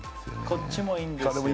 こっちもいいんですよ